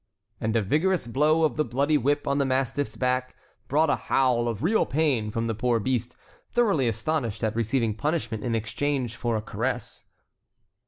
And a vigorous blow of the bloody whip on the mastiff's back brought a howl of real pain from the poor beast, thoroughly astonished at receiving punishment in exchange for a caress.